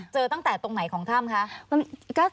เจอตั้งแต่ตรงไหนของถ้ำคะ